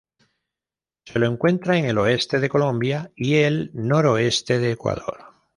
Se lo encuentra en el oeste de Colombia y el noroeste de Ecuador.